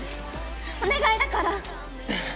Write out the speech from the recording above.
お願いだから！